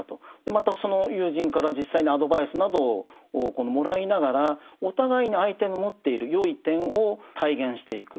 またその友人から実際にアドバイスなどをもらいながらお互いに相手の持っている善い点を体現していく。